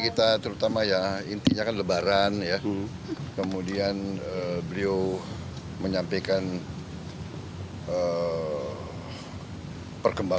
kita akan mendengarkan statement dari ketua umum green